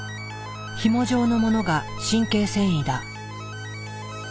ひも状のものが神経線維だ。